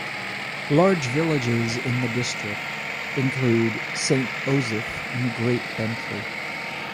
Large villages in the district include Saint Osyth and Great Bentley.